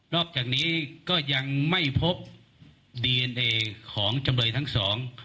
อกจากนี้ก็ยังไม่พบดีเอ็นเอของจำเลยทั้งสอง